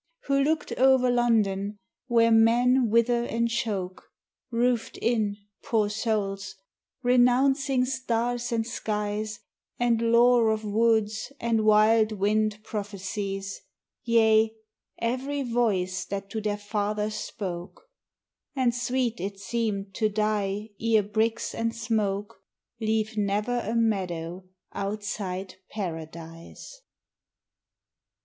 We looked oŌĆÖer London, where men wither and choke, Roofed in, poor souls, renouncing stars and skies, And lore of woods and wild wind prophecies, Yea, every voice that to their fathers spoke: And sweet it seemed to die ere bricks and smoke Leave never a meadow outside Paradise.